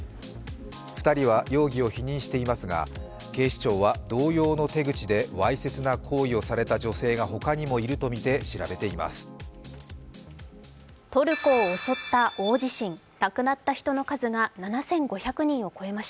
２人は容疑を否認していますが、警視庁は同様の手口でわいせつな行為をされた女性が他にもいるとみて調べています。